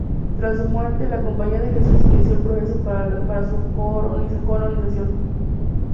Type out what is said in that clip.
Tras su muerte, la compañía de Jesús inició el proceso para su Canonización.